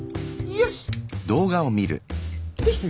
よし！